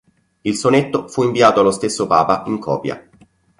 Il sonetto fu inviato allo stesso Papa in copia.